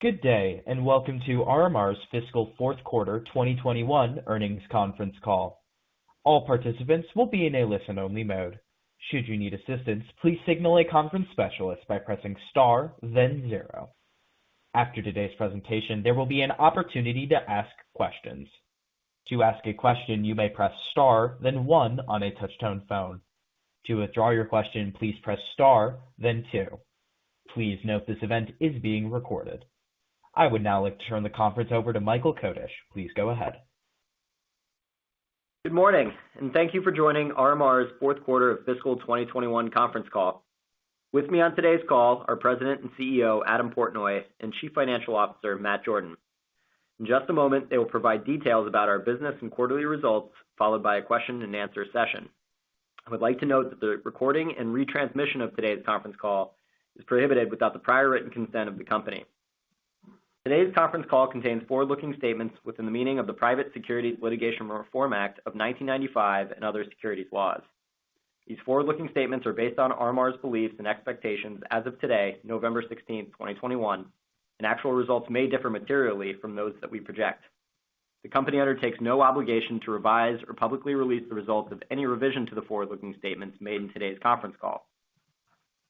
Good day, and welcome to RMR's Fiscal Fourth Quarter 2021 Earnings Conference Call. All participants will be in a listen-only mode. Should you need assistance, please signal a conference specialist by pressing star then zero. After today's presentation, there will be an opportunity to ask questions. To ask a question, you may press star then one on a touch-tone phone. To withdraw your question, please press star then two. Please note this event is being recorded. I would now like to turn the conference over to Michael Kodesch. Please go ahead. Good morning, and thank you for joining RMR's fourth quarter of fiscal 2021 conference call. With me on today's call are President and CEO, Adam Portnoy, and Chief Financial Officer, Matt Jordan. In just a moment, they will provide details about our business and quarterly results, followed by a question-and-answer session. I would like to note that the recording and retransmission of today's conference call is prohibited without the prior written consent of the company. Today's conference call contains forward-looking statements within the meaning of the Private Securities Litigation Reform Act of 1995 and other securities laws. These forward-looking statements are based on RMR's beliefs and expectations as of today, November 16th, 2021, and actual results may differ materially from those that we project. The company undertakes no obligation to revise or publicly release the results of any revision to the forward-looking statements made in today's conference call.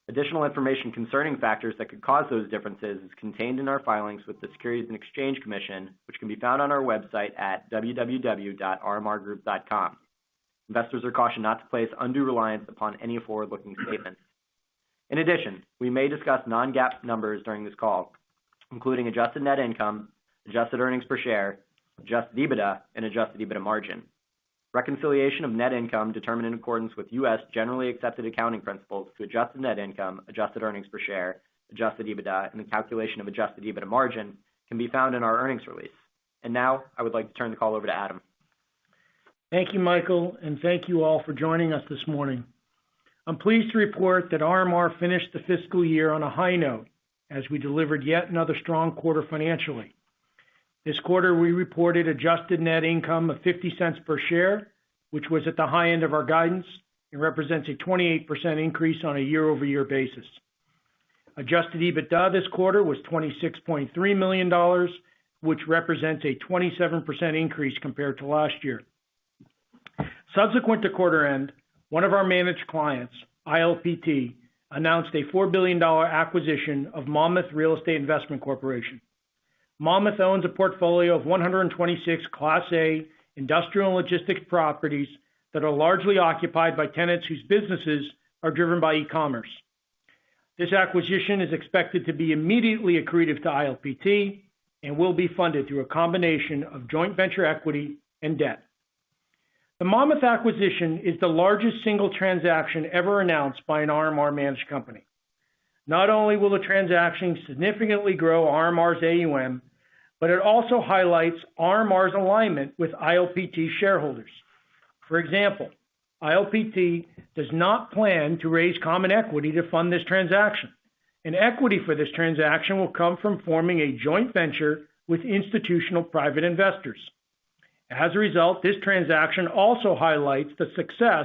Additional information concerning factors that could cause those differences is contained in our filings with the Securities and Exchange Commission, which can be found on our website at www.rmrgroup.com. Investors are cautioned not to place undue reliance upon any forward-looking statements. In addition, we may discuss non-GAAP numbers during this call, including adjusted net income, adjusted earnings per share, Adjusted EBITDA, and Adjusted EBITDA margin. Reconciliation of net income determined in accordance with U.S. Generally Accepted Accounting Principles to adjusted net income, adjusted earnings per share, Adjusted EBITDA, and the calculation of Adjusted EBITDA margin can be found in our earnings release. Now, I would like to turn the call over to Adam. Thank you, Michael, and thank you all for joining us this morning. I'm pleased to report that RMR finished the fiscal year on a high note as we delivered yet another strong quarter financially. This quarter, we reported adjusted net income of $0.50 per share, which was at the high end of our guidance and represents a 28% increase on a year-over-year basis. Adjusted EBITDA this quarter was $26.3 million, which represents a 27% increase compared to last year. Subsequent to quarter end, one of our managed clients, ILPT, announced a $4 billion acquisition of Monmouth Real Estate Investment Corporation. Monmouth owns a portfolio of 126 Class A industrial and logistic properties that are largely occupied by tenants whose businesses are driven by e-commerce. This acquisition is expected to be immediately accretive to ILPT and will be funded through a combination of joint venture equity and debt. The Monmouth acquisition is the largest single transaction ever announced by an RMR managed company. Not only will the transaction significantly grow RMR's AUM, but it also highlights RMR's alignment with ILPT shareholders. For example, ILPT does not plan to raise common equity to fund this transaction, and equity for this transaction will come from forming a joint venture with institutional private investors. As a result, this transaction also highlights the success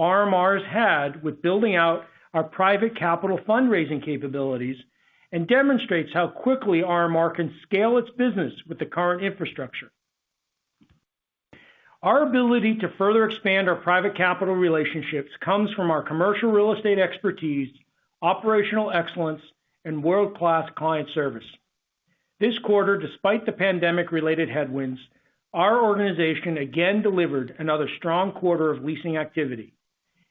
RMR's had with building out our private capital fundraising capabilities and demonstrates how quickly RMR can scale its business with the current infrastructure. Our ability to further expand our private capital relationships comes from our commercial real estate expertise, operational excellence, and world-class client service. This quarter, despite the pandemic-related headwinds, our organization again delivered another strong quarter of leasing activity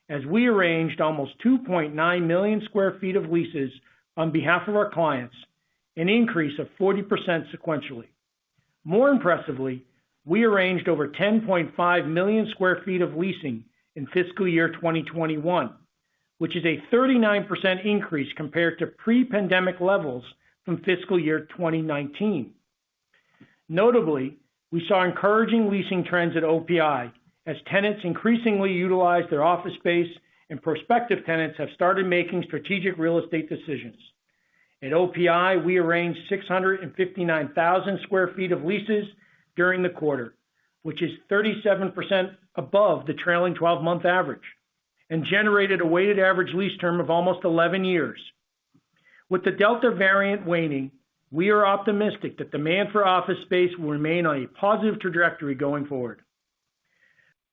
as we arranged almost 2.9 million sq ft of leases on behalf of our clients, an increase of 40% sequentially. More impressively, we arranged over 10.5 million sq ft of leasing in fiscal year 2021, which is a 39% increase compared to pre-pandemic levels from fiscal year 2019. Notably, we saw encouraging leasing trends at OPI as tenants increasingly utilized their office space and prospective tenants have started making strategic real estate decisions. At OPI, we arranged 659,000 sq ft of leases during the quarter, which is 37% above the trailing 12-month average and generated a weighted average lease term of almost 11 years. With the Delta variant waning, we are optimistic that demand for office space will remain on a positive trajectory going forward.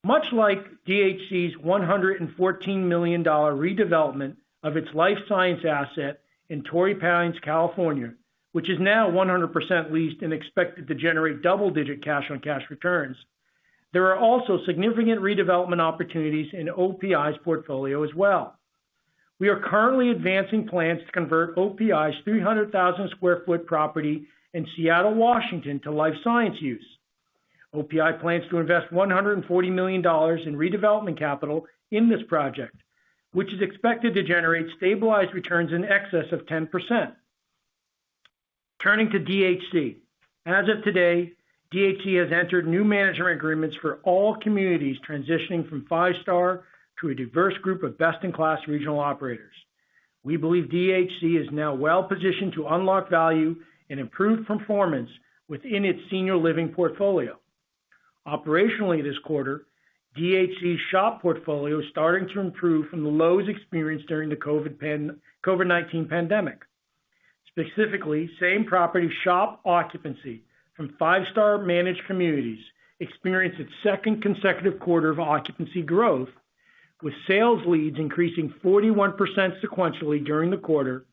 Much like DHC's $114 million redevelopment of its life science asset in Torrey Pines, California, which is now 100% leased and expected to generate double-digit cash-on-cash returns, there are also significant redevelopment opportunities in OPI's portfolio as well. We are currently advancing plans to convert OPI's 300,000 sq ft property in Seattle, Washington, to life science use. OPI plans to invest $140 million in redevelopment capital in this project, which is expected to generate stabilized returns in excess of 10%. Turning to DHC. As of today, DHC has entered new management agreements for all communities transitioning from Five Star to a diverse group of best-in-class regional operators. We believe DHC is now well positioned to unlock value and improve performance within its senior living portfolio. Operationally this quarter, DHC SHOP portfolio is starting to improve from the lows experienced during the COVID-19 pandemic. Specifically, same-property SHOP occupancy from Five Star managed communities experienced its second consecutive quarter of occupancy growth, with sales leads increasing 41% sequentially during the quarter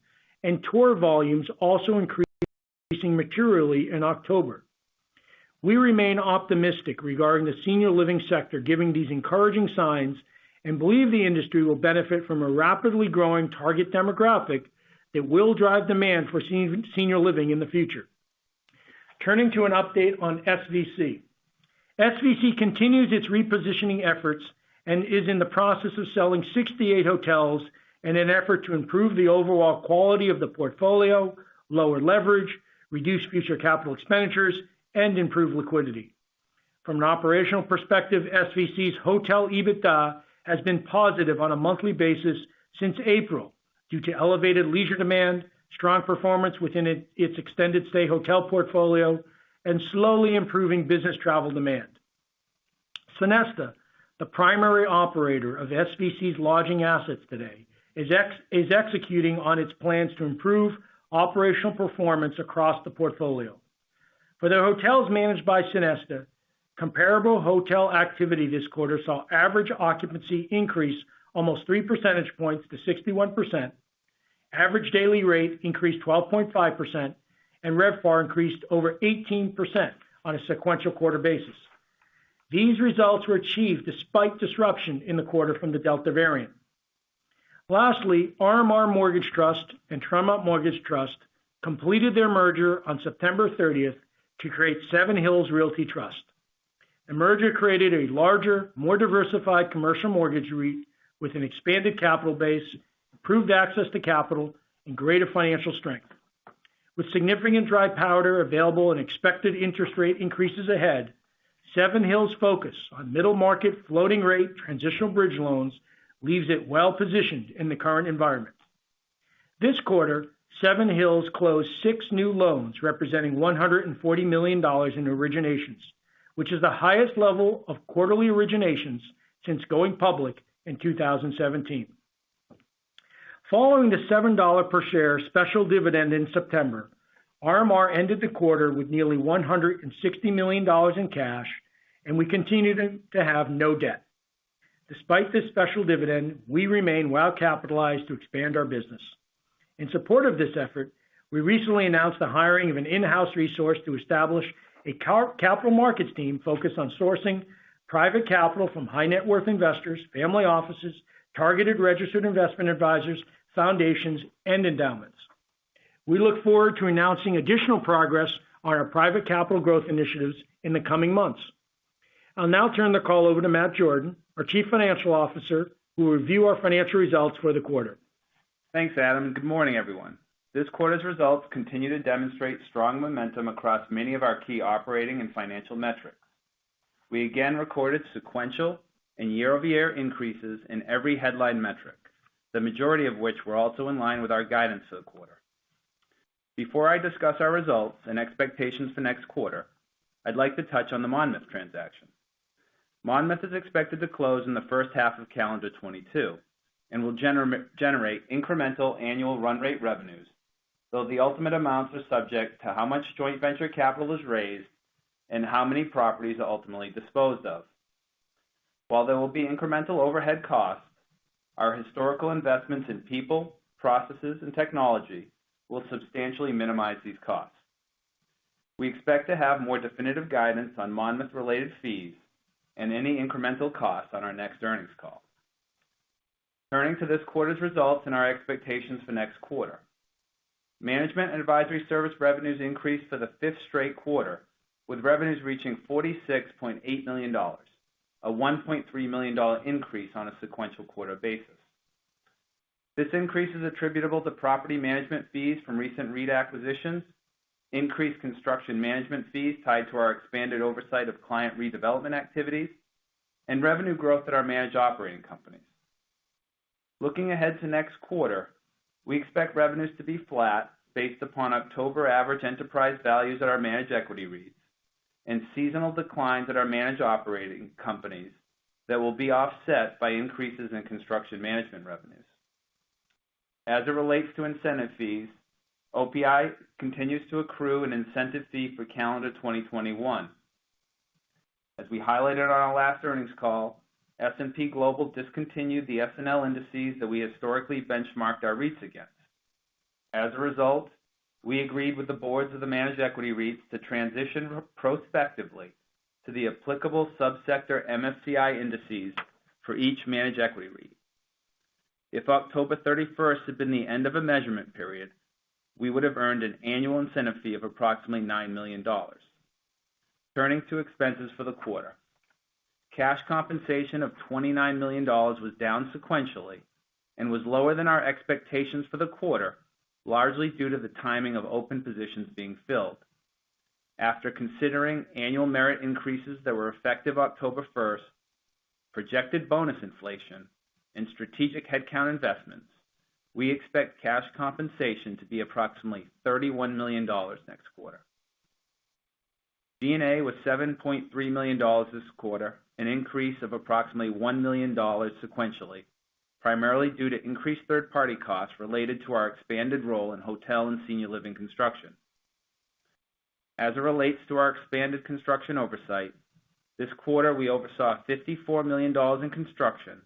and tour volumes also increasing materially in October. We remain optimistic regarding the senior living sector given these encouraging signs, and believe the industry will benefit from a rapidly growing target demographic that will drive demand for senior living in the future. Turning to an update on SVC. SVC continues its repositioning efforts and is in the process of selling 68 hotels in an effort to improve the overall quality of the portfolio, lower leverage, reduce future capital expenditures, and improve liquidity. From an operational perspective, SVC's hotel EBITDA has been positive on a monthly basis since April due to elevated leisure demand, strong performance within its extended stay hotel portfolio, and slowly improving business travel demand. Sonesta, the primary operator of SVC's lodging assets today, is executing on its plans to improve operational performance across the portfolio. For the hotels managed by Sonesta, comparable hotel activity this quarter saw average occupancy increase almost 3 percentage points to 61%. Average daily rate increased 12.5%, and RevPAR increased over 18% on a sequential quarter basis. These results were achieved despite disruption in the quarter from the Delta variant. Lastly, RMR Mortgage Trust and Tremont Mortgage Trust completed their merger on September 30th to create Seven Hills Realty Trust. The merger created a larger, more diversified commercial mortgage REIT with an expanded capital base, improved access to capital, and greater financial strength. With significant dry powder available and expected interest rate increases ahead, Seven Hills' focus on middle market floating rate transitional bridge loans leaves it well-positioned in the current environment. This quarter, Seven Hills closed six new loans representing $140 million in originations, which is the highest level of quarterly originations since going public in 2017. Following the $7 per share special dividend in September, RMR ended the quarter with nearly $160 million in cash, and we continue to have no debt. Despite this special dividend, we remain well-capitalized to expand our business. In support of this effort, we recently announced the hiring of an in-house resource to establish a capital markets team focused on sourcing private capital from high net worth investors, family offices, targeted registered investment advisors, foundations, and endowments. We look forward to announcing additional progress on our private capital growth initiatives in the coming months. I'll now turn the call over to Matt Jordan, our Chief Financial Officer, who will review our financial results for the quarter. Thanks, Adam, and good morning, everyone. This quarter's results continue to demonstrate strong momentum across many of our key operating and financial metrics. We again recorded sequential and year-over-year increases in every headline metric, the majority of which were also in line with our guidance for the quarter. Before I discuss our results and expectations for next quarter, I'd like to touch on the Monmouth transaction. Monmouth is expected to close in the first half of calendar 2022, and will generate incremental annual run rate revenues, though the ultimate amounts are subject to how much joint venture capital is raised and how many properties are ultimately disposed of. While there will be incremental overhead costs, our historical investments in people, processes, and technology will substantially minimize these costs. We expect to have more definitive guidance on Monmouth-related fees and any incremental costs on our next earnings call. Turning to this quarter's results and our expectations for next quarter. Management and advisory service revenues increased for the fifth straight quarter, with revenues reaching $46.8 million, a $1.3 million increase on a sequential quarter basis. This increase is attributable to property management fees from recent REIT acquisitions, increased construction management fees tied to our expanded oversight of client redevelopment activities, and revenue growth at our managed operating companies. Looking ahead to next quarter, we expect revenues to be flat based upon October average enterprise values at our managed equity REITs and seasonal declines at our managed operating companies that will be offset by increases in construction management revenues. As it relates to incentive fees, OPI continues to accrue an incentive fee for calendar 2021. As we highlighted on our last earnings call, S&P Global discontinued the SNL indices that we historically benchmarked our REITs against. As a result, we agreed with the boards of the managed equity REITs to transition prospectively to the applicable sub-sector MSCI indices for each managed equity REIT. If October 31st had been the end of a measurement period, we would have earned an annual incentive fee of approximately $9 million. Turning to expenses for the quarter. Cash compensation of $29 million was down sequentially and was lower than our expectations for the quarter, largely due to the timing of open positions being filled. After considering annual merit increases that were effective October 1st, projected bonus inflation, and strategic headcount investments, we expect cash compensation to be approximately $31 million next quarter. G&A was $7.3 million this quarter, an increase of approximately $1 million sequentially, primarily due to increased third-party costs related to our expanded role in hotel and senior living construction. As it relates to our expanded construction oversight, this quarter we oversaw $54 million in construction,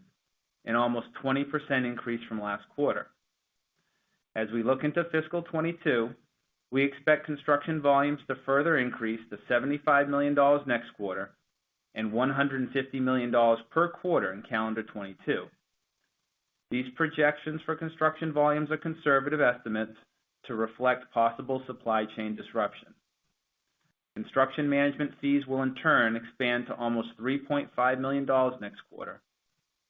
an almost 20% increase from last quarter. As we look into fiscal 2022, we expect construction volumes to further increase to $75 million next quarter and $150 million per quarter in calendar 2022. These projections for construction volumes are conservative estimates to reflect possible supply chain disruption. Construction management fees will in turn expand to almost $3.5 million next quarter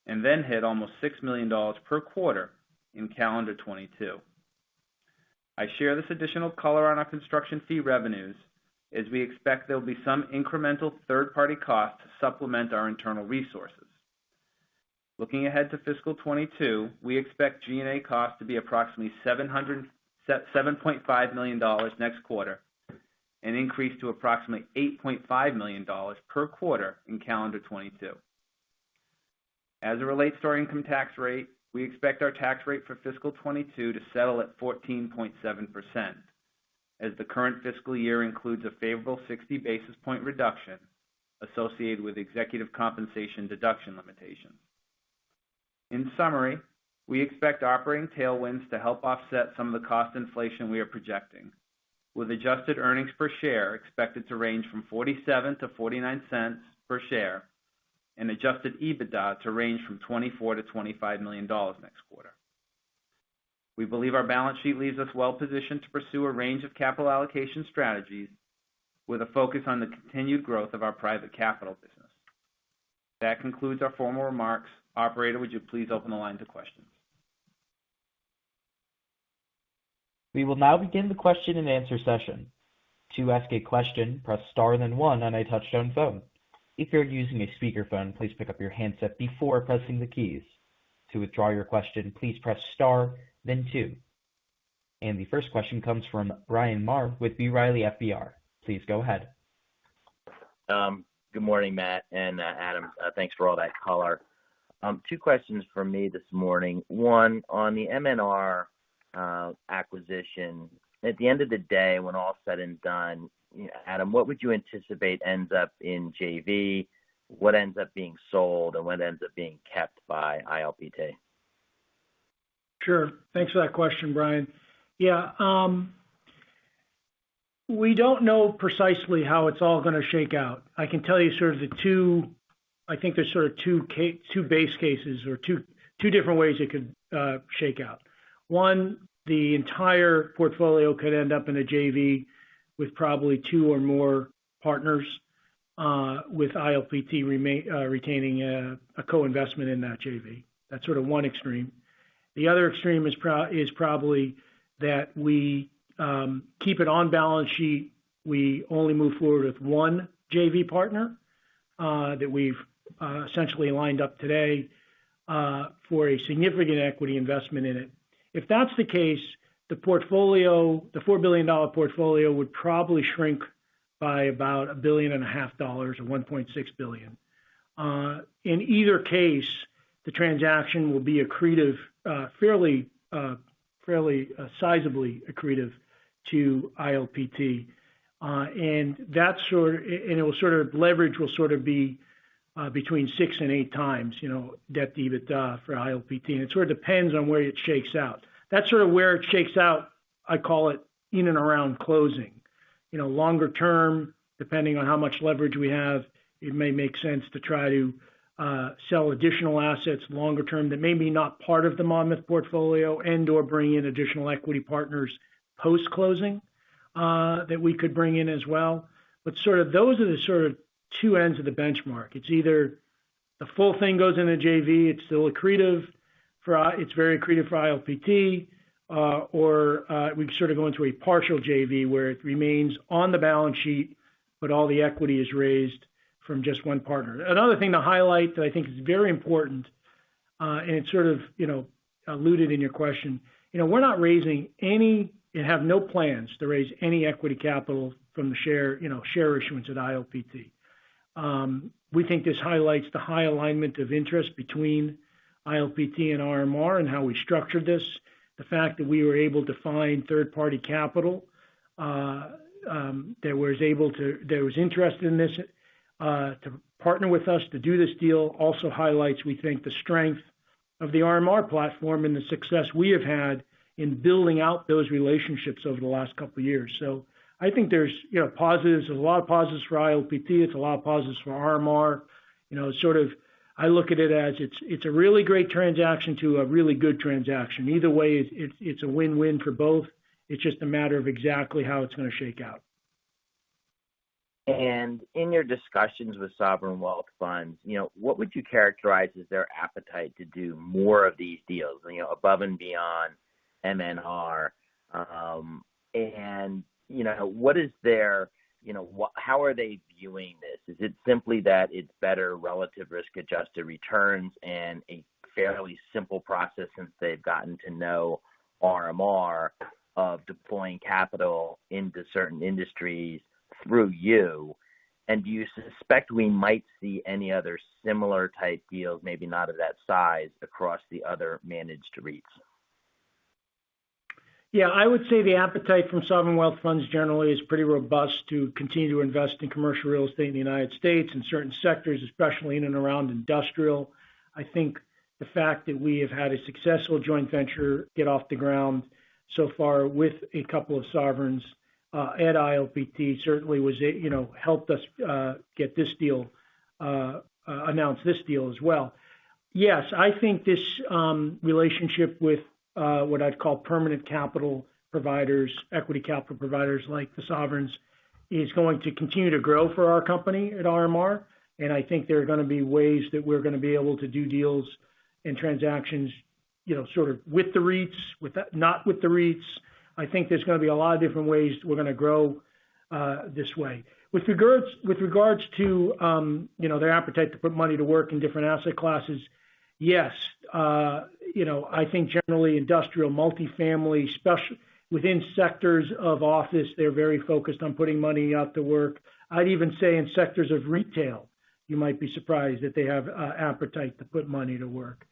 and then hit almost $6 million per quarter in calendar 2022. I share this additional color on our construction fee revenues as we expect there will be some incremental third-party costs to supplement our internal resources. Looking ahead to fiscal 2022, we expect G&A costs to be approximately $7.5 million next quarter and increase to approximately $8.5 million per quarter in calendar 2022. As it relates to our income tax rate, we expect our tax rate for fiscal 2022 to settle at 14.7%, as the current fiscal year includes a favorable 60 basis points reduction associated with executive compensation deduction limitations. In summary, we expect operating tailwinds to help offset some of the cost inflation we are projecting, with adjusted earnings per share expected to range from $0.47-$0.49 per share and Adjusted EBITDA to range from $24 million-$25 million next quarter. We believe our balance sheet leaves us well positioned to pursue a range of capital allocation strategies with a focus on the continued growth of our private capital business. That concludes our formal remarks. Operator, would you please open the line to questions? We will now begin the question-and-answer session. To ask a question, press star then one on a touch-tone phone. If you're using a speakerphone, please pick up your handset before pressing the keys. To withdraw your question, please press star then two. The first question comes from Bryan Maher with B. Riley FBR. Please go ahead. Good morning, Matt, and Adam. Thanks for all that color. Two questions from me this morning. One, on the MNR acquisition, at the end of the day, when all is said and done, Adam, what would you anticipate ends up in JV? What ends up being sold and what ends up being kept by ILPT? Sure. Thanks for that question, Bryan. Yeah. We don't know precisely how it's all gonna shake out. I can tell you sort of the two. I think there's sort of two base cases or two different ways it could shake out. One, the entire portfolio could end up in a JV with probably two or more partners with ILPT retaining a co-investment in that JV. That's sort of one extreme. The other extreme is probably that we keep it on balance sheet. We only move forward with one JV partner that we've essentially lined up today for a significant equity investment in it. If that's the case, the portfolio, the $4 billion portfolio would probably shrink by about $1.5 billion or $1.6 billion. In either case, the transaction will be accretive, fairly sizably accretive to ILPT. Leverage will sort of be between 6x and 8x, you know, debt-to-EBITDA for ILPT. It sort of depends on where it shakes out. That's sort of where it shakes out, I call it, in and around closing. You know, longer term, depending on how much leverage we have, it may make sense to try to sell additional assets longer term that may not be part of the Monmouth portfolio and/or bring in additional equity partners post-closing that we could bring in as well. Those are the sort of two ends of the benchmark. It's either the full thing goes in a JV, it's very accretive for ILPT, or we sort of go into a partial JV where it remains on the balance sheet, but all the equity is raised from just one partner. Another thing to highlight that I think is very important, and it sort of, you know, alluded in your question, you know, we're not raising any, and have no plans to raise any equity capital from the share, you know, share issuance at ILPT. We think this highlights the high alignment of interest between ILPT and RMR and how we structured this. The fact that we were able to find third-party capital that was interested in this to partner with us to do this deal also highlights, we think, the strength of the RMR platform and the success we have had in building out those relationships over the last couple of years. I think there's, you know, positives. There's a lot of positives for ILPT. It's a lot of positives for RMR. You know, sort of I look at it as it's a really great transaction to a really good transaction. Either way, it's a win-win for both. It's just a matter of exactly how it's gonna shake out. In your discussions with sovereign wealth funds, you know, what would you characterize as their appetite to do more of these deals, you know, above and beyond MNR? You know, what is their, you know, how are they viewing this? Is it simply that it's better relative risk-adjusted returns and a fairly simple process since they've gotten to know RMR of deploying capital into certain industries through you? Do you suspect we might see any other similar type deals, maybe not of that size, across the other managed REITs? Yeah. I would say the appetite from sovereign wealth funds generally is pretty robust to continue to invest in commercial real estate in the United States, in certain sectors, especially in and around industrial. I think the fact that we have had a successful joint venture get off the ground so far with a couple of sovereigns at ILPT certainly you know helped us get this deal, announce this deal as well. Yes, I think this relationship with what I'd call permanent capital providers, equity capital providers like the sovereigns, is going to continue to grow for our company at RMR, and I think there are gonna be ways that we're gonna be able to do deals and transactions, you know, sort of not with the REITs. I think there's gonna be a lot of different ways we're gonna grow this way. With regards to, you know, their appetite to put money to work in different asset classes, yes, you know, I think generally industrial multifamily, within sectors of office, they're very focused on putting money to work. I'd even say in sectors of retail, you might be surprised that they have appetite to put money to work.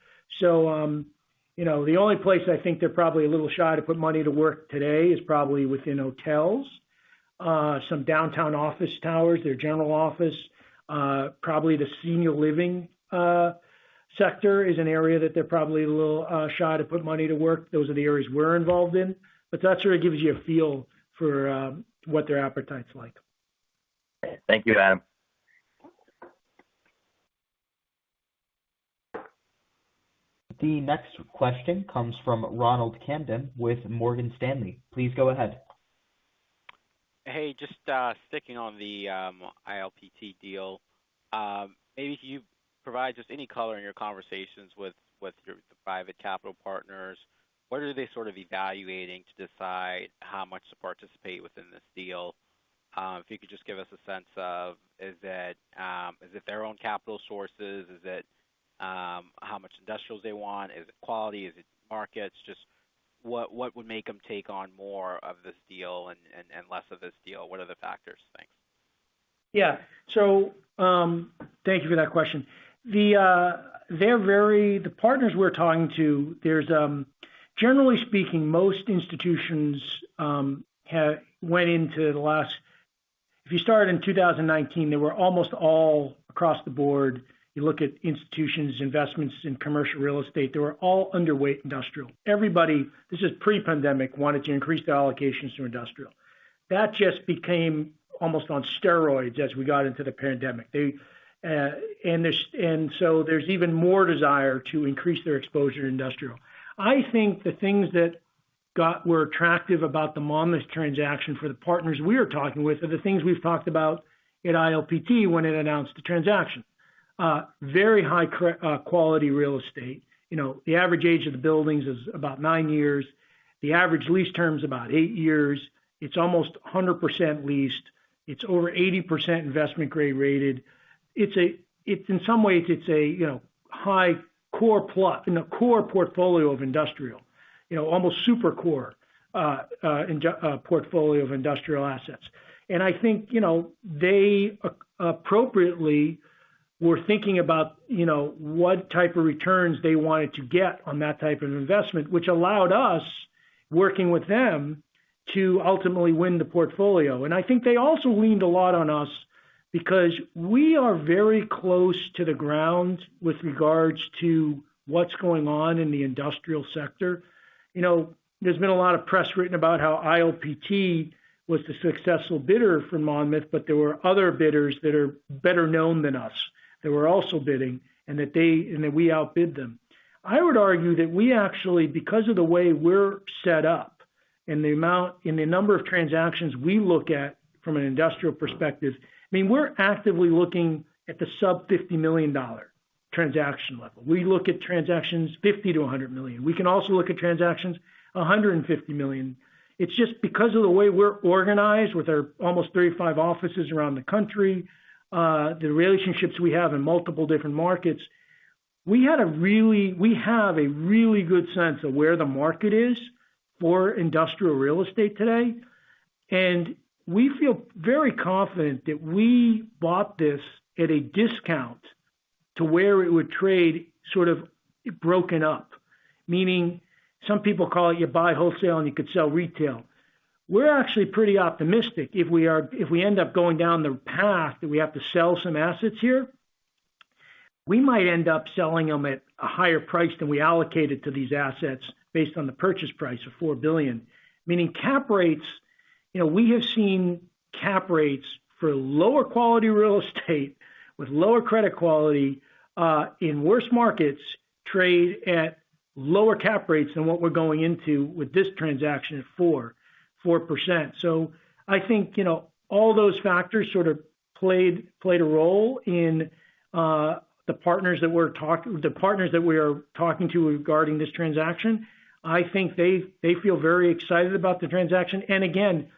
You know, the only place I think they're probably a little shy to put money to work today is probably within hotels, some downtown office towers, their general office, probably the senior living sector is an area that they're probably a little shy to put money to work. Those are the areas we're involved in, but that sort of gives you a feel for what their appetite's like. Thank you, Adam. The next question comes from Ronald Kamdem with Morgan Stanley. Please go ahead. Hey, just sticking on the ILPT deal. Maybe if you provide just any color in your conversations with your private capital partners, what are they sort of evaluating to decide how much to participate within this deal? If you could just give us a sense of is it their own capital sources? Is it how much industrials they want? Is it quality? Is it markets? Just what would make them take on more of this deal and less of this deal? What are the factors you think? Yeah. Thank you for that question. The partners we're talking to, there's generally speaking, most institutions went into the last. If you started in 2019, they were almost all across the board. You look at institutions, investments in commercial real estate, they were all underweight industrial. Everybody, this is pre-pandemic, wanted to increase their allocations to industrial. That just became almost on steroids as we got into the pandemic. There's even more desire to increase their exposure to industrial. I think the things that were attractive about the Monmouth transaction for the partners we are talking with are the things we've talked about at ILPT when it announced the transaction. Very high quality real estate. You know, the average age of the buildings is about nine years. The average lease term is about eight years. It's almost 100% leased. It's over 80% investment-grade rated. It's in some ways, you know, high core plus in a core portfolio of industrial, you know, almost super core portfolio of industrial assets. I think, you know, they appropriately were thinking about, you know, what type of returns they wanted to get on that type of investment, which allowed us working with them to ultimately win the portfolio. I think they also leaned a lot on us because we are very close to the ground with regards to what's going on in the industrial sector. You know, there's been a lot of press written about how ILPT was the successful bidder for Monmouth, but there were other bidders that are better known than us that were also bidding, and that we outbid them. I would argue that we actually, because of the way we're set up and the number of transactions we look at from an industrial perspective, I mean, we're actively looking at the sub $50 million transaction level. We look at transactions $50 million-$100 million. We can also look at transactions $150 million. It's just because of the way we're organized with our almost 35 offices around the country, the relationships we have in multiple different markets, we had a really... We have a really good sense of where the market is for industrial real estate today, and we feel very confident that we bought this at a discount to where it would trade sort of broken up. Meaning some people call it you buy wholesale, and you could sell retail. We're actually pretty optimistic if we end up going down the path that we have to sell some assets here. We might end up selling them at a higher price than we allocated to these assets based on the purchase price of $4 billion. Meaning cap rates, you know, we have seen cap rates for lower quality real estate with lower credit quality in worse markets trade at lower cap rates than what we're going into with this transaction at 4.4%. I think, you know, all those factors sort of played a role in the partners that we are talking to regarding this transaction. I think they feel very excited about the transaction. Again,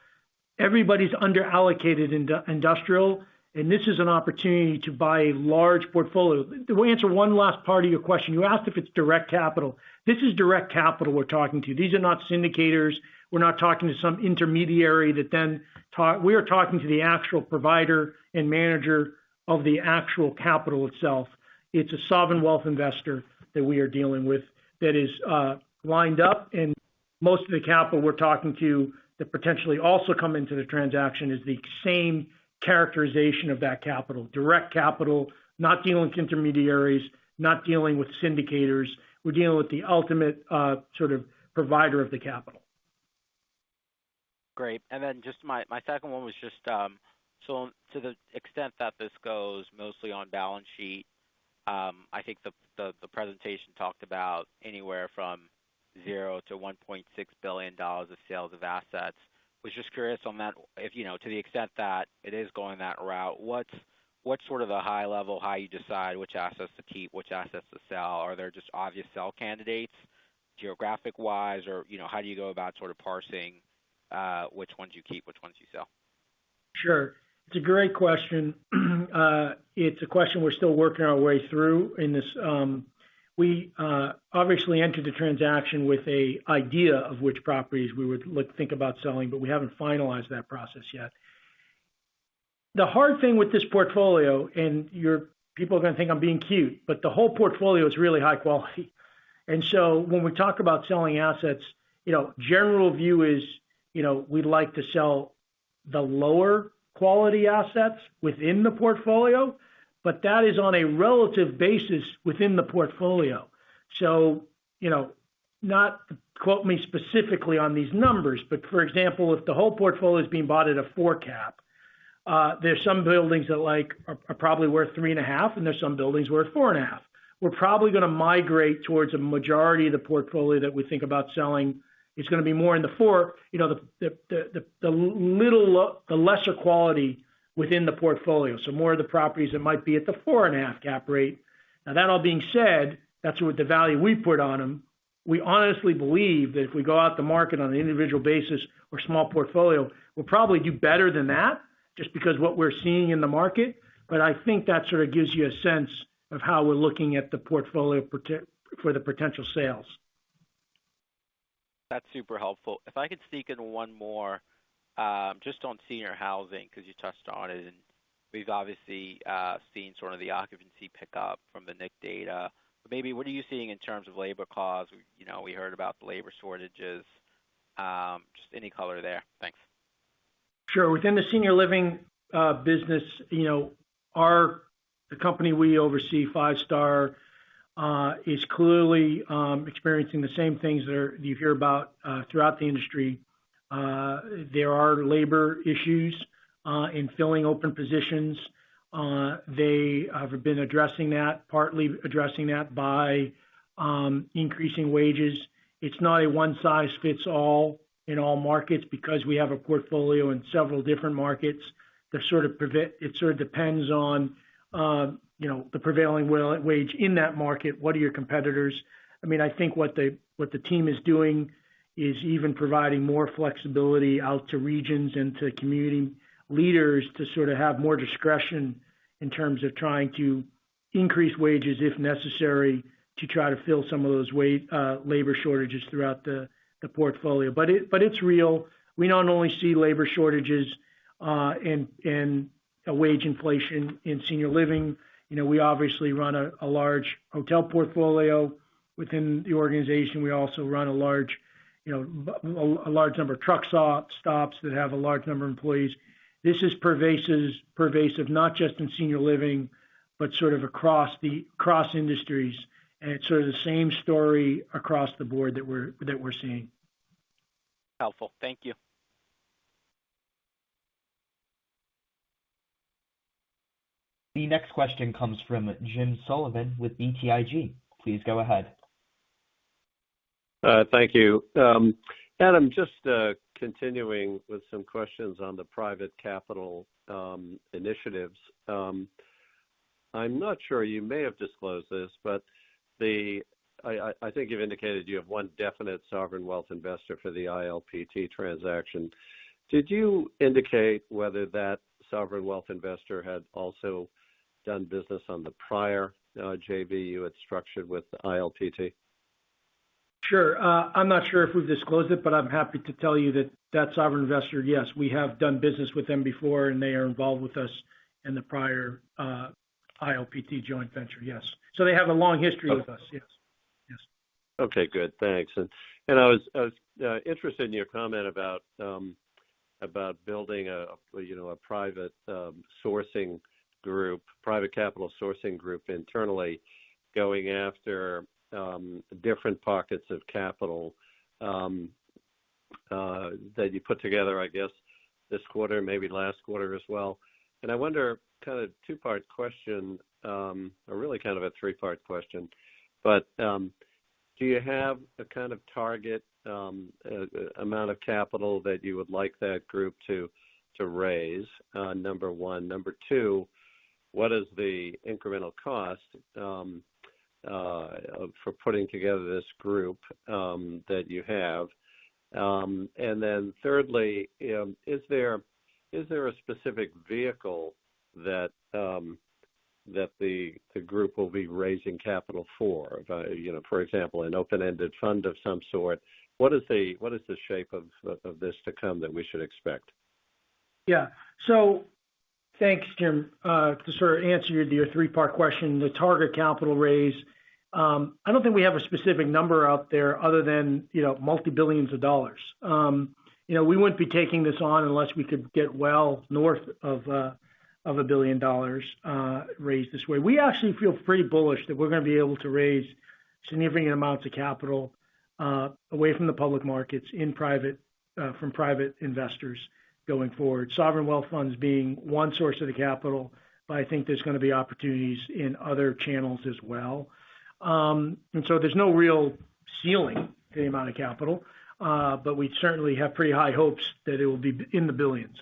everybody's under-allocated in the industrial, and this is an opportunity to buy a large portfolio. To answer one last part of your question, you asked if it's direct capital. This is direct capital we're talking to. These are not syndicators. We're not talking to some intermediary. We are talking to the actual provider and manager of the actual capital itself. It's a sovereign wealth investor that we are dealing with that is lined up. Most of the capital we're talking to that potentially also come into the transaction is the same characterization of that capital, direct capital, not dealing with intermediaries, not dealing with syndicators. We're dealing with the ultimate, sort of provider of the capital. Great. Just my second one was just. To the extent that this goes mostly on balance sheet, I think the presentation talked about anywhere from $0-$1.6 billion of sales of assets. Was just curious on that, if, you know, to the extent that it is going that route, what's sort of the high level, how you decide which assets to keep, which assets to sell? Are there just obvious sell candidates geographic-wise? Or, you know, how do you go about sort of parsing, which ones you keep, which ones you sell? Sure. It's a great question. It's a question we're still working our way through in this. We obviously entered the transaction with an idea of which properties we would look to think about selling, but we haven't finalized that process yet. The hard thing with this portfolio, and people are gonna think I'm being cute, but the whole portfolio is really high quality. When we talk about selling assets, you know, general view is, you know, we'd like to sell the lower quality assets within the portfolio, but that is on a relative basis within the portfolio. You know, don't quote me specifically on these numbers, but for example, if the whole portfolio is being bought at a 4 cap, there's some buildings that like are probably worth 3.5, and there's some buildings worth 4.5. We're probably gonna migrate towards a majority of the portfolio that we think about selling. It's gonna be more in the 4, you know, the lesser quality within the portfolio. More of the properties that might be at the 4.5 cap rate. Now that all being said, that's what the value we put on them. We honestly believe that if we go out to market on an individual basis or small portfolio, we'll probably do better than that, just because what we're seeing in the market. I think that sort of gives you a sense of how we're looking at the portfolio potential for the potential sales. That's super helpful. If I could sneak in one more, just on senior housing, 'cause you touched on it, and we've obviously seen sort of the occupancy pick up from the NIC data. But maybe what are you seeing in terms of labor costs? You know, we heard about the labor shortages. Just any color there. Thanks. Sure. Within the senior living business, you know, the company we oversee, Five Star, is clearly experiencing the same things you hear about throughout the industry. There are labor issues in filling open positions. They have been addressing that, partly addressing that by increasing wages. It's not a one size fits all in all markets because we have a portfolio in several different markets. It sort of depends on, you know, the prevailing wage in that market. What are your competitors? I mean, I think what the team is doing is even providing more flexibility out to regions and to community leaders to sort of have more discretion in terms of trying to increase wages, if necessary, to try to fill some of those labor shortages throughout the portfolio. It's real. We not only see labor shortages and a wage inflation in senior living. We obviously run a large hotel portfolio within the organization. We also run a large number of truck stops that have a large number of employees. This is pervasive, not just in senior living, but sort of across industries. It's sort of the same story across the board that we're seeing. Helpful. Thank you. The next question comes from Jim Sullivan with BTIG. Please go ahead. Thank you. Adam, just continuing with some questions on the private capital initiatives. I'm not sure, you may have disclosed this, but I think you've indicated you have one definite sovereign wealth investor for the ILPT transaction. Did you indicate whether that sovereign wealth investor had also done business on the prior JV you had structured with ILPT? Sure. I'm not sure if we've disclosed it, but I'm happy to tell you that that sovereign investor, yes, we have done business with them before, and they are involved with us in the prior, ILPT joint venture. Yes. They have a long history with us. Yes. Yes. Okay, good. Thanks. I was interested in your comment about building a private sourcing group, private capital sourcing group internally going after different pockets of capital that you put together, I guess, this quarter, maybe last quarter as well. I wonder, kind of two-part question or really kind of a three-part question. Do you have a kind of target amount of capital that you would like that group to raise, number one? Number two, what is the incremental cost for putting together this group that you have? Then thirdly, is there a specific vehicle that the group will be raising capital for? You know, for example, an open-ended fund of some sort. What is the shape of this to come that we should expect? Yeah. Thanks, Jim. To sort of answer your three-part question, the target capital raise, I don't think we have a specific number out there other than, you know, multi-billions of dollars. You know, we wouldn't be taking this on unless we could get well north of $1 billion raised this way. We actually feel pretty bullish that we're gonna be able to raise significant amounts of capital away from the public markets in private from private investors going forward. Sovereign wealth funds being one source of the capital, but I think there's gonna be opportunities in other channels as well. There's no real ceiling to the amount of capital, but we certainly have pretty high hopes that it will be in the billions.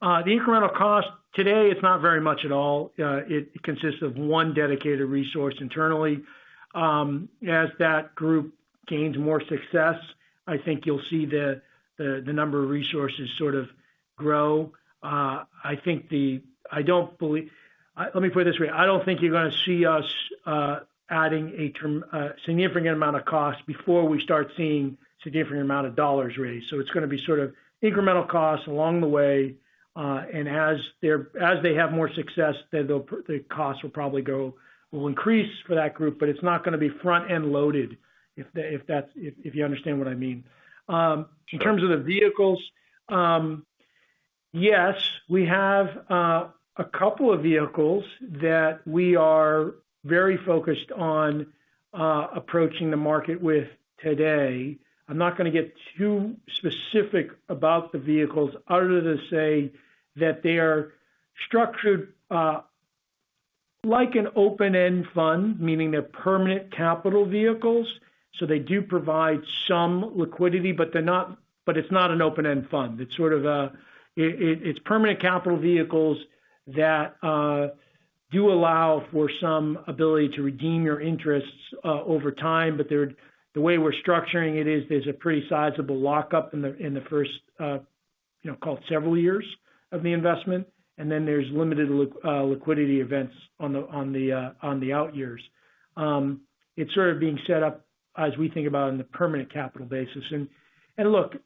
The incremental cost today, it's not very much at all. It consists of one dedicated resource internally. As that group gains more success, I think you'll see the number of resources sort of grow. Let me put it this way. I don't think you're gonna see us adding significant amount of cost before we start seeing significant amount of dollars raised. It's gonna be sort of incremental costs along the way. As they have more success, the cost will probably increase for that group, but it's not gonna be front-end loaded if you understand what I mean. Sure. In terms of the vehicles, yes, we have a couple of vehicles that we are very focused on approaching the market with today. I'm not gonna get too specific about the vehicles other than say that they are structured like an open-end fund, meaning they're permanent capital vehicles, so they do provide some liquidity, but it's not an open-end fund. It's permanent capital vehicles that do allow for some ability to redeem your interests over time, but they're. The way we're structuring it is there's a pretty sizable lockup in the first, you know, called several years of the investment, and then there's limited liquidity events on the outyears. It's sort of being set up as we think about in the permanent capital basis. Look,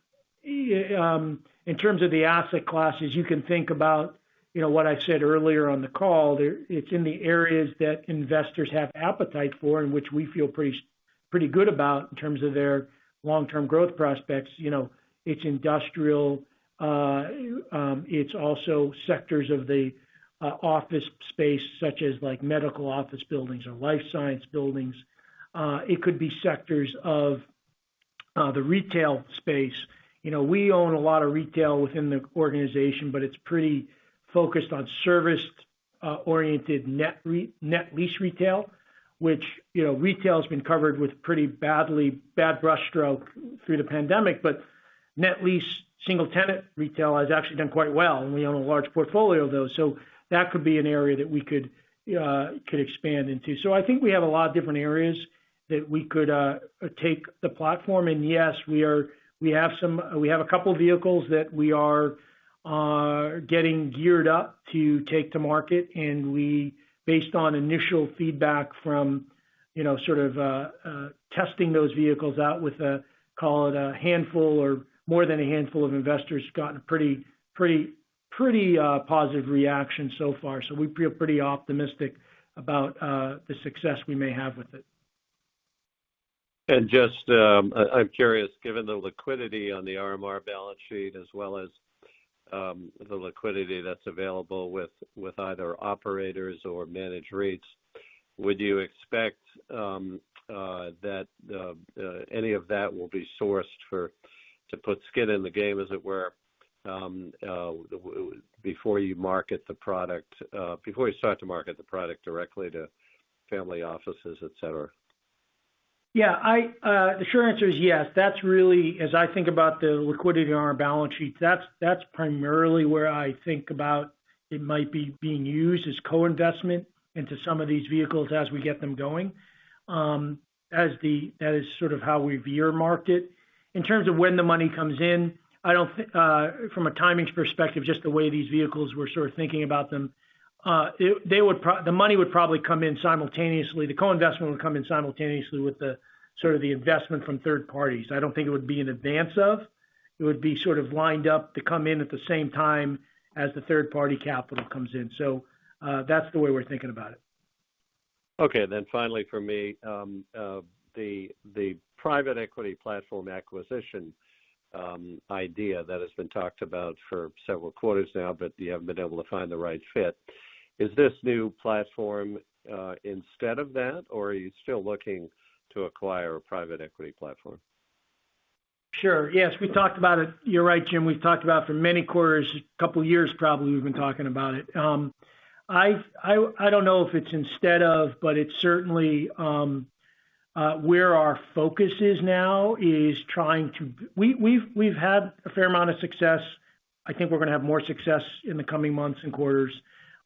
in terms of the asset classes, you can think about, you know, what I said earlier on the call. It's in the areas that investors have appetite for and which we feel pretty good about in terms of their long-term growth prospects. You know, it's industrial, it's also sectors of the office space, such as like medical office buildings or life science buildings. It could be sectors of the retail space. You know, we own a lot of retail within the organization, but it's pretty focused on service oriented net lease retail, which, you know, retail has been covered with pretty bad brushstroke through the pandemic. Net lease single tenant retail has actually done quite well, and we own a large portfolio of those. That could be an area that we could expand into. I think we have a lot of different areas that we could take the platform. Yes, we have a couple vehicles that we are getting geared up to take to market, and we, based on initial feedback from, you know, sort of, testing those vehicles out with, call it, a handful or more than a handful of investors, gotten pretty positive reaction so far. We feel pretty optimistic about the success we may have with it. I'm curious, given the liquidity on the RMR balance sheet as well as the liquidity that's available with either operators or managed rates, would you expect that any of that will be sourced for to put skin in the game, as it were, before you market the product, before you start to market the product directly to family offices, et cetera? Yeah, the short answer is yes. That's really, as I think about the liquidity on our balance sheet, that's primarily where I think about it might be being used as co-investment into some of these vehicles as we get them going. That is sort of how we've earmarked it. In terms of when the money comes in, I don't think, from a timing perspective, just the way these vehicles we're sort of thinking about them, the money would probably come in simultaneously. The co-investment would come in simultaneously with the sort of the investment from third parties. I don't think it would be in advance of. It would be sort of lined up to come in at the same time as the third-party capital comes in. That's the way we're thinking about it. Okay. Finally for me, the private equity platform acquisition idea that has been talked about for several quarters now, but you haven't been able to find the right fit. Is this new platform instead of that, or are you still looking to acquire a private equity platform? Sure. Yes. We talked about it. You're right, Jim. We've talked about it for many quarters, a couple years probably. We've been talking about it. I don't know if it's instead of, but it certainly. We've had a fair amount of success. I think we're gonna have more success in the coming months and quarters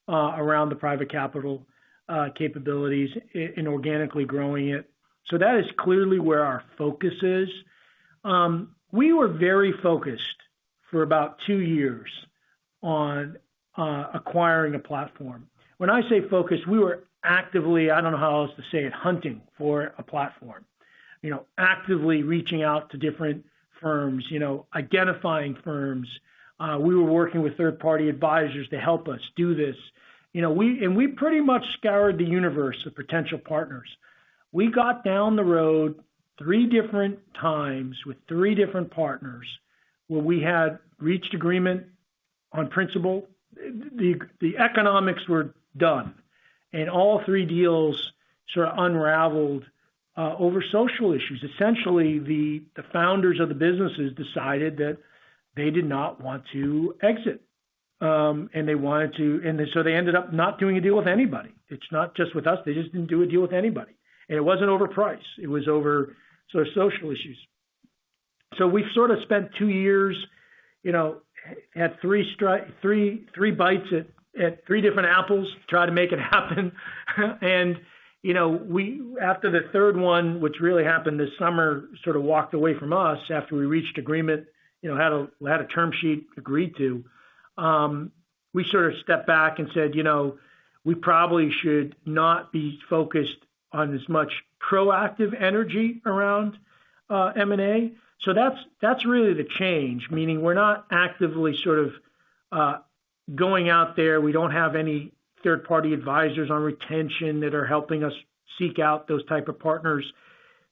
around the private capital capabilities in organically growing it. That is clearly where our focus is. We were very focused for about two years on acquiring a platform. When I say focused, we were actively, I don't know how else to say it, hunting for a platform. You know, actively reaching out to different firms, you know, identifying firms. We were working with third-party advisors to help us do this. You know, we... We pretty much scoured the universe of potential partners. We got down the road three different times with three different partners, where we had reached agreement on principle. The economics were done, and all three deals sort of unraveled over social issues. Essentially, the founders of the businesses decided that they did not want to exit. They ended up not doing a deal with anybody. It's not just with us, they just didn't do a deal with anybody. It wasn't over price, it was over sort of social issues. We sort of spent two years, you know, had three bites at three different apples, try to make it happen. You know, after the third one, which really happened this summer, sort of walked away from us after we reached agreement, you know, had a term sheet agreed to. We sort of stepped back and said, "You know, we probably should not be focused on as much proactive energy around, M&A." That's really the change. Meaning, we're not actively sort of going out there. We don't have any third-party advisors on retention that are helping us seek out those type of partners.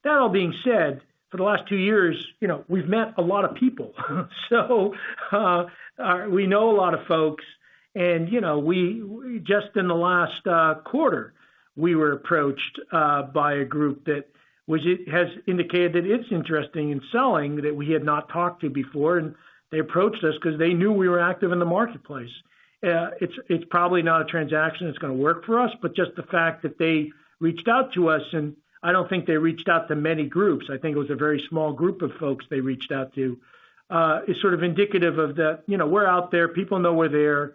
That all being said, for the last two years, you know, we've met a lot of people. We know a lot of folks and, you know, we just in the last quarter, we were approached by a group that which has indicated that it's interested in selling that we had not talked to before. They approached us 'cause they knew we were active in the marketplace. It's probably not a transaction that's gonna work for us, but just the fact that they reached out to us, and I don't think they reached out to many groups. I think it was a very small group of folks they reached out to is sort of indicative of the, you know, we're out there, people know we're there.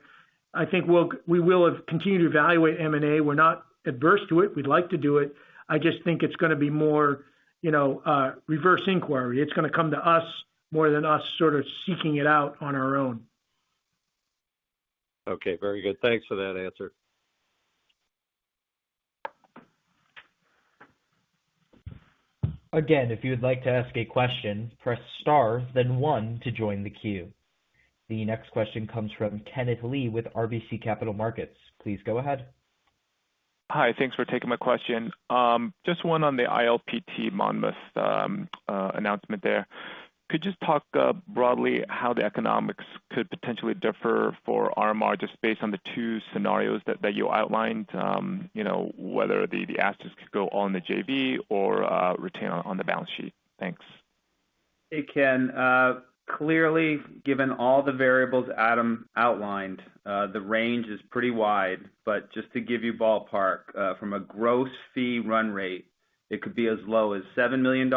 I think we will have continued to evaluate M&A. We're not adverse to it. We'd like to do it. I just think it's gonna be more, you know, reverse inquiry. It's gonna come to us more than us sort of seeking it out on our own. Okay, very good. Thanks for that answer. Again, if you would like to ask a question, press star then one to join the queue. The next question comes from Kenneth Lee with RBC Capital Markets. Please go ahead. Hi. Thanks for taking my question. Just one on the ILPT Monmouth announcement there. Could you just talk broadly how the economics could potentially differ for RMR, just based on the two scenarios that you outlined, you know, whether the assets could go on the JV or retain on the balance sheet? Thanks. Hey, Ken. Clearly, given all the variables Adam outlined, the range is pretty wide, but just to give you ballpark, from a gross fee run rate, it could be as low as $7 million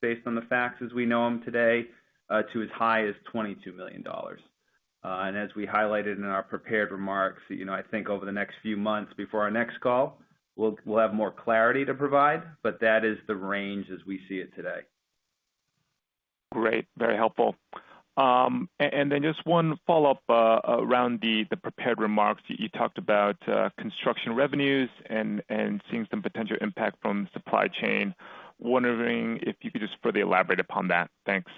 based on the facts as we know them today to as high as $22 million. As we highlighted in our prepared remarks, you know, I think over the next few months before our next call, we'll have more clarity to provide, but that is the range as we see it today. Great. Very helpful. Just one follow-up around the prepared remarks. You talked about construction revenues and seeing some potential impact from supply chain. Wondering if you could just further elaborate upon that. Thanks.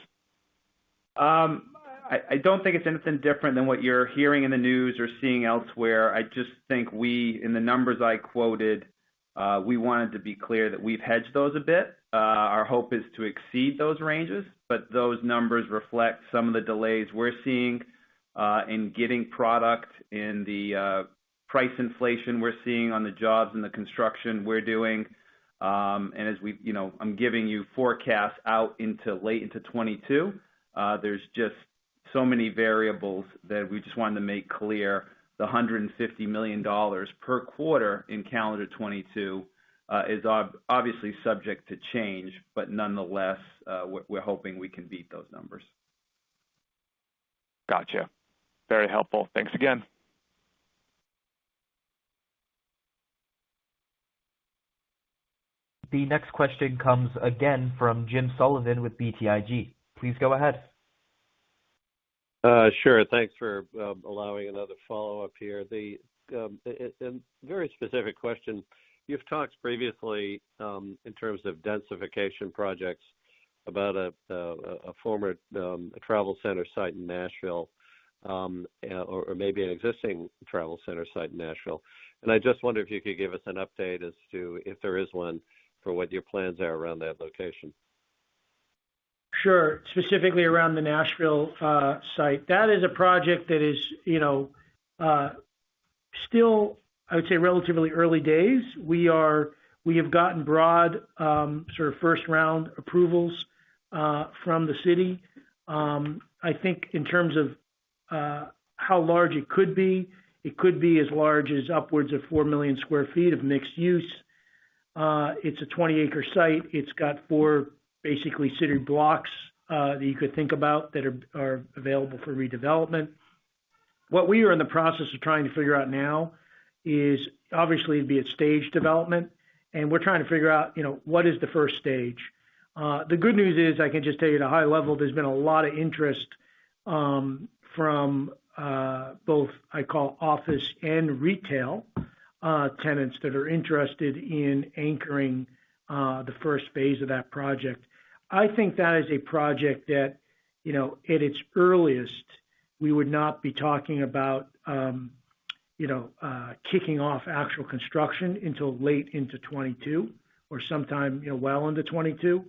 I don't think it's anything different than what you're hearing in the news or seeing elsewhere. I just think we, in the numbers I quoted, we wanted to be clear that we've hedged those a bit. Our hope is to exceed those ranges, but those numbers reflect some of the delays we're seeing in getting product and the price inflation we're seeing on the jobs and the construction we're doing. As we, you know, I'm giving you forecasts out into late 2022. There's just so many variables that we just wanted to make clear the $150 million per quarter in calendar 2022 is obviously subject to change. Nonetheless, we're hoping we can beat those numbers. Gotcha. Very helpful. Thanks again. The next question comes again from Jim Sullivan with BTIG. Please go ahead. Sure. Thanks for allowing another follow-up here. A very specific question. You've talked previously in terms of densification projects about a former travel center site in Nashville or maybe an existing travel center site in Nashville. I just wonder if you could give us an update as to if there is one, for what your plans are around that location. Sure. Specifically around the Nashville site. That is a project that is, you know, still, I would say, relatively early days. We have gotten broad sort of first-round approvals from the city. I think in terms of how large it could be? It could be as large as upwards of 4 million sq ft of mixed use. It's a 20-acre site. It's got four basically city blocks that you could think about that are available for redevelopment. What we are in the process of trying to figure out now is obviously it'd be a stage development, and we're trying to figure out, you know, what is the first stage. The good news is I can just tell you at a high level, there's been a lot of interest from both I call office and retail tenants that are interested in anchoring the first phase of that project. I think that is a project that, you know, at its earliest, we would not be talking about kicking off actual construction until late into 2022 or sometime, you know, well into 2022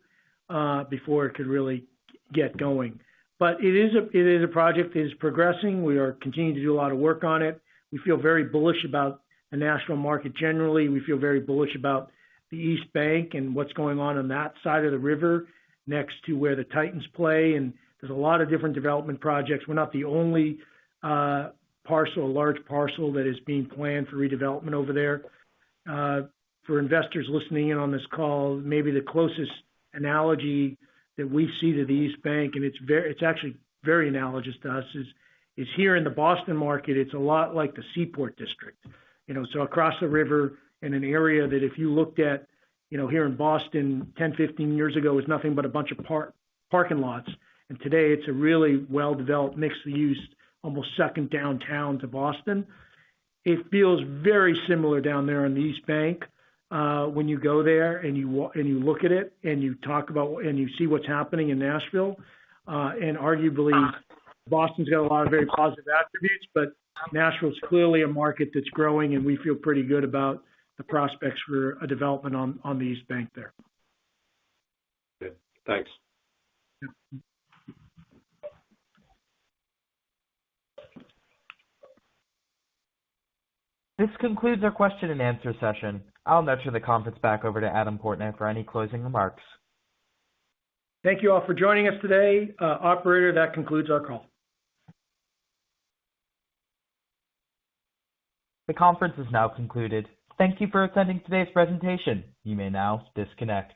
before it could really get going. It is a project that is progressing. We are continuing to do a lot of work on it. We feel very bullish about the Nashville market generally. We feel very bullish about the East Bank and what's going on on that side of the river next to where the Titans play. There's a lot of different development projects. We're not the only parcel, large parcel that is being planned for redevelopment over there. For investors listening in on this call, maybe the closest analogy that we see to the East Bank, and it's actually very analogous to us, is here in the Boston market, it's a lot like the Seaport District. You know, across the river in an area that if you looked at, you know, here in Boston 10, 15 years ago, was nothing but a bunch of parking lots. Today it's a really well-developed, mixed-use, almost second downtown to Boston. It feels very similar down there on the East Bank, when you go there and you look at it, and you talk about and you see what's happening in Nashville. Arguably, Boston's got a lot of very positive attributes, but Nashville is clearly a market that's growing, and we feel pretty good about the prospects for a development on the East Bank there. Good. Thanks. Yeah. This concludes our question-and-answer session. I'll now turn the conference back over to Adam Portnoy for any closing remarks. Thank you all for joining us today. Operator, that concludes our call. The conference is now concluded. Thank you for attending today's presentation. You may now disconnect.